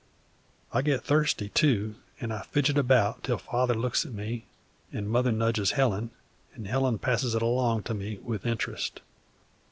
I get thirsty, too, and I fidget about till Father looks at me, and Mother nudges Helen, and Helen passes it along to me with interest.